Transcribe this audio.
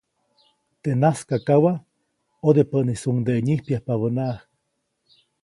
Teʼ najskakawa, ʼodepäʼnisuŋdeʼe nyijpyajpabäʼnaʼajk.